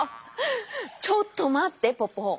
ちょっとまってポポ！